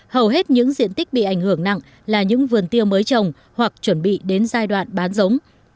hầu hết những diện tích bị ảnh hưởng nặng là những vườn tiêu mới trồng hoặc chuẩn bị đến giai đoạn bán giống